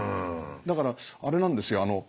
だからあれなんですよ。